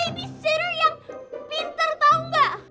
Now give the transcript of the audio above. aku tuh babysitter yang pinter tahu nggak